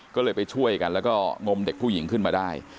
ก็เลยไปช่วยกันแล้วก็งมเด็กผู้หญิงขึ้นมาได้